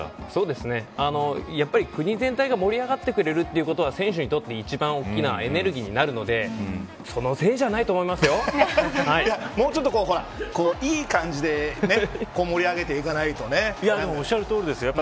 やっぱり、国全体が盛り上がってくれるということは選手にとって一番大きなエネルギーになるのでもうちょっと、いい感じでいや、でもおっしゃるとおりですよ。